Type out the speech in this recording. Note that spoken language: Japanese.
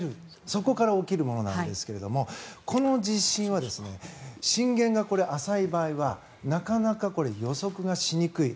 そこから起きるものなんですがこの地震は震源が浅い場合はなかなか予測がしにくい。